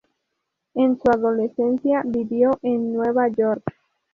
En su adolescencia vivió en Nueva York.